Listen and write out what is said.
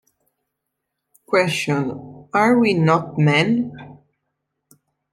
Question: Are We Not Men?